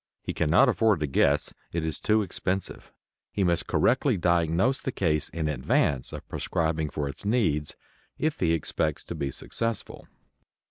He cannot afford to guess. It is too expensive. He must correctly diagnose the case in advance of prescribing for its needs if he expects to be successful.